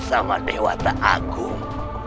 sama dewa tak agung